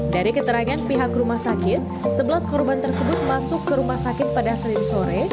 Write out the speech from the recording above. dari keterangan pihak rumah sakit sebelas korban tersebut masuk ke rumah sakit pada senin sore